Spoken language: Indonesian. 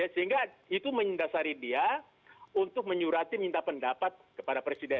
sehingga itu mendasari dia untuk menyurati minta pendapat kepada presiden